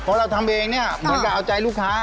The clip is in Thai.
เพราะเราทำเองเนี่ยเหมือนแบบเอาใจลูกค้า